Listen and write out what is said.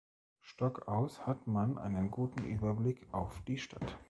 Stock aus hat man einen guten Überblick auf die Stadt.